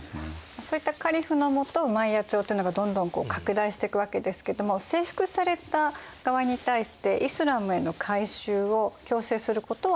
そういったカリフの下ウマイヤ朝っていうのがどんどん拡大していくわけですけども征服された側に対してイスラームへの改宗を強制することは？